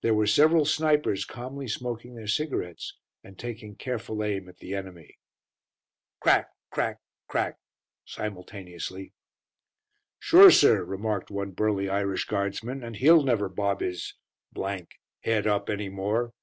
There were several snipers calmly smoking their cigarettes and taking careful aim at the enemy. Crack crack crack simultaneously. "Sure, sir," remarked one burly Irish Guardsman, "and he'll never bob his head up any more.